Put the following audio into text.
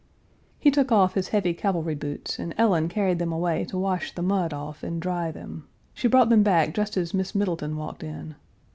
He took off his heavy cavalry boots and Ellen carried them away to wash the mud off and dry them. She brought them back just as Miss Middleton walked in.